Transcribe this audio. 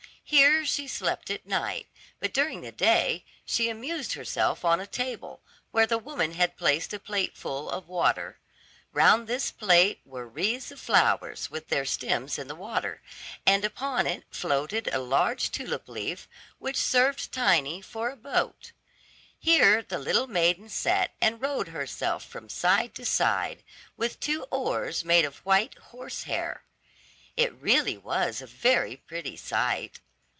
Here she slept at night, but during the day she amused herself on a table, where the woman had placed a plateful of water. Round this plate were wreaths of flowers with their stems in the water, and upon it floated a large tulip leaf, which served Tiny for a boat. Here the little maiden sat and rowed herself from side to side, with two oars made of white horse hair. It really was a very pretty sight.